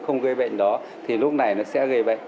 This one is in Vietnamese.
không gây bệnh đó thì lúc này nó sẽ gây bệnh